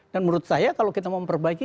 dan menurut saya kalau kita mau memperbaiki